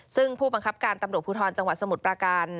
ซึ่งผู้บังคับการตำรวจภูทรจังหวัดสมุทรประการ